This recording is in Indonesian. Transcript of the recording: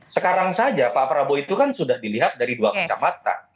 sekarang saja pak prabowo itu kan sudah dilihat dari dua kacamata